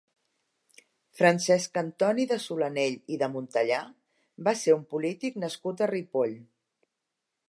Francesc Antoni de Solanell i de Montellà va ser un polític nascut a Ripoll.